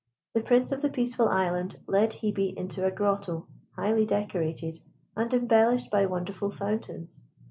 The Prince of the Peaceful Island led Hebe into a grotto, highly decorated, and embellished by wonderful fountains.